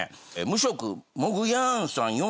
無職もぐやーんさん